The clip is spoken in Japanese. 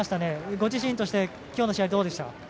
ご自身としてきょうの試合、どうでした？